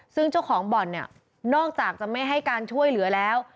ซึ่งเจ้าของบ่อนเนี่ยนอกจากจะไม่ให้การช่วยเหลือแล้ว